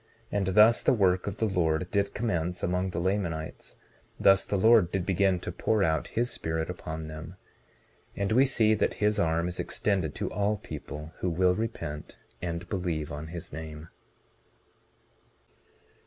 19:36 And thus the work of the Lord did commence among the Lamanites; thus the Lord did begin to pour out his Spirit upon them; and we see that his arm is extended to all people who will repent and believe on his name.